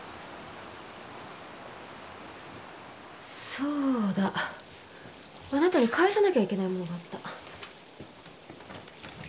そうだあなたに返さなきゃいけない物があった。